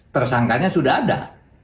tersangkanya sudah ada